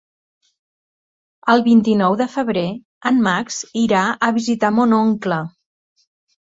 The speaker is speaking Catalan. El vint-i-nou de febrer en Max irà a visitar mon oncle.